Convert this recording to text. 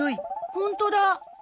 ホントだ。